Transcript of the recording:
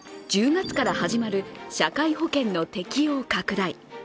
１０月から始まる社会保険の適用拡大。